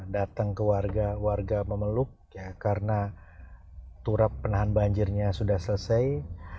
datang ke warga warga memeluk ya karena turap penahan banjirnya sudah selesai